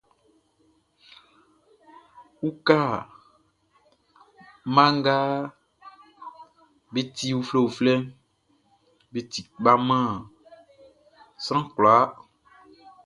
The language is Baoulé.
Uwka mma nga be ti uflɛuflɛʼn, be ti kpa man sran kwlaa.